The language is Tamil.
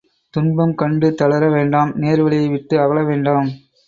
... துன்பம் கண்டு தளர வேண்டாம் நேர் வழியை விட்டு அகல வேண்டாம்.